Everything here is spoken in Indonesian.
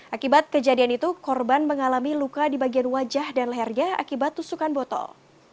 akibat kejadian itu korban mengalami luka di bagian wajah dan lehernya akibat tusukan botol